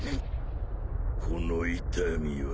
この痛みは。